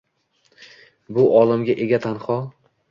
Bu olamga ega tanho